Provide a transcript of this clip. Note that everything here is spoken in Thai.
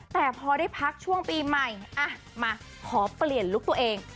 แต่พอได้พักช่วงปีใหม่มาขอเปลี่ยนลุคตัวเอง